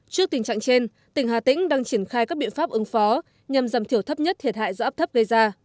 trước tình trạng trên tỉnh hà tĩnh đang triển khai các biện pháp ứng phó nhằm giảm thiểu thấp nhất thiệt hại do áp thấp gây ra